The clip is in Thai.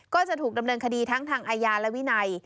ก็จะถูกดำเนินคดีทั้งทางอาญาและวินัย